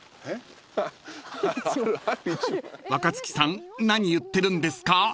［若槻さん何言ってるんですか？］